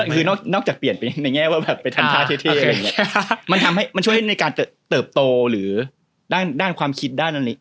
คือนอกจากเปลี่ยนไปในแง่ว่าไปทันท่าเท่มันช่วยให้ในการเติบโตหรือด้านความคิดด้านอะไรแบบนี้ไหม